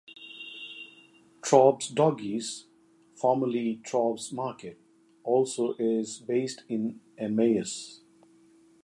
Traub's Doggies, formerly Traubs Market, also is based in Emmaus.